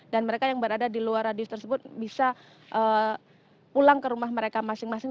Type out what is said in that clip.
dan mereka yang berada di luar radius tersebut bisa pulang ke rumah mereka masing masing